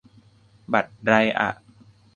บัตรไรอะ